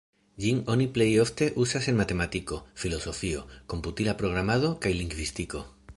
Ĝin oni plej ofte uzas en matematiko, filozofio, komputila programado, kaj lingvistiko.